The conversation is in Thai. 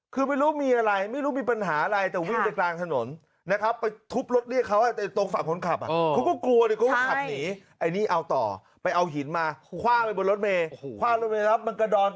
คือไม่รู้มีอะไรไม่รู้มีปัญหาอะไรแต่วิ่งไปกลางถนนนะครับ